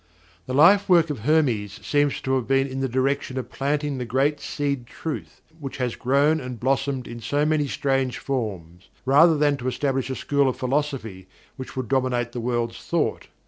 The lifework of Hermes seems to have been in the direction of planting the great Seed Truth which has grown and blossomed in so many strange forms, rather than to establish a school of philosophy which would dominate, the world's thought.